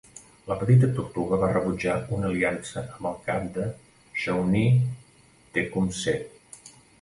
La petita tortuga va rebutjar una aliança amb el cap de Shawnee Tecumseh.